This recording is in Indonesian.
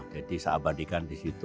jadi seabadikan di situ